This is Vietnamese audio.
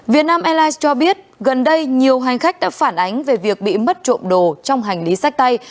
việt nam airlines cho biết gần đây nhiều hành khách đã phản ánh về việc bị mất trộm đồ trong hành lý sách tay